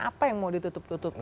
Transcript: apa yang mau ditutup tutupi